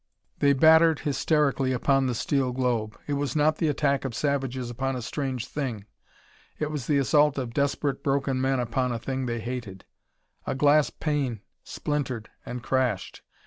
They battered hysterically upon the steel globe. It was not the attack of savages upon a strange thing. It was the assault of desperate, broken men upon a thing they hated. A glass pane splintered and crashed.